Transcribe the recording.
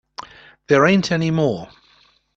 There ain't any more.